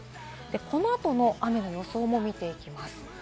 この後の雨の予想も見ていきます。